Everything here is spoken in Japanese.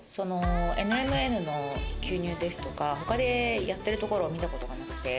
ＮＭＮの吸入ですとか他でやってるところを見たことがなくて。